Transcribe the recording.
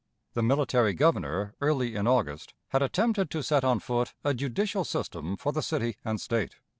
The military Governor, early in August, had attempted to set on foot a judicial system for the city and State.